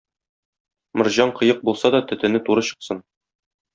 Морҗаң кыек булса да төтене туры чыксын.